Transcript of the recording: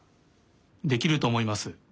できるとおもいます。